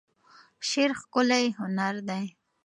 شعر ښکلی هنر دی.